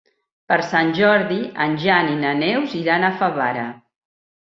Per Sant Jordi en Jan i na Neus iran a Favara.